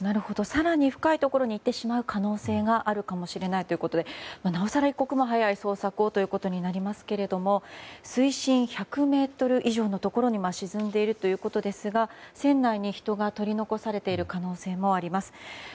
更に深いところに行ってしまう可能性があるかもしれないということでなおさら、一刻も早い捜索をということになりますけど水深１００ｍ以上のところに沈んでいるということですが船内に人が取り残されている可能性もあります。